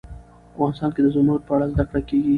افغانستان کې د زمرد په اړه زده کړه کېږي.